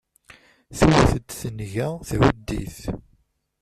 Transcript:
Tewwet-d tenga thudd-it.